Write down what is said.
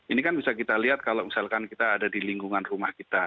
ini kan bisa kita lihat kalau misalkan kita ada di lingkungan rumah kita